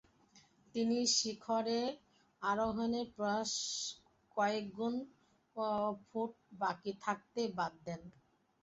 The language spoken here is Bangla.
তিনি শিখরে আরোহণের প্রয়াস কয়েকশ ফুট বাকি থাকতেই বাদ দেন।